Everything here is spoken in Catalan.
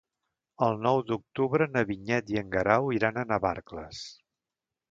El nou d'octubre na Vinyet i en Guerau iran a Navarcles.